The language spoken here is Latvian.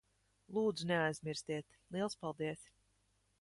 Lūdzu, neaizmirstiet. Liels paldies.